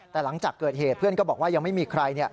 แต่หลังจากเกิดเหตุเพื่อนก็บอกว่ายังไม่มีใคร